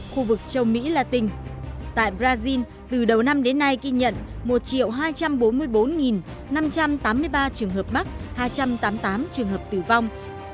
khu vực châu mỹ latin tại brazil từ đầu năm đến nay ghi nhận một hai trăm bốn mươi bốn năm trăm tám mươi ba trường hợp mắc hai trăm tám mươi tám trường hợp tử vong